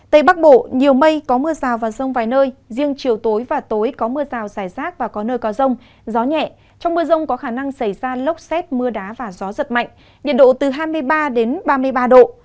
tây bắc bộ nhiều mây có mưa rào và rông vài nơi riêng chiều tối và tối có mưa rào dài rác và có nơi có rông gió nhẹ trong mưa rông có khả năng xảy ra lốc xét mưa đá và gió giật mạnh nhiệt độ từ hai mươi ba đến ba mươi ba độ